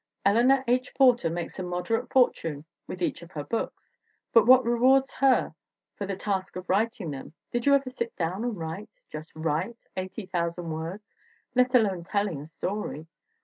Eleanor H. Porter makes a moderate fortune with each of her books. But what rewards her for the task of writing them did you ever sit down and write, just write, 80,000 words, let alone telling a story?